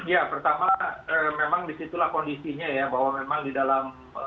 ya pertama memang disitulah kondisinya ya bahwa memang di dalam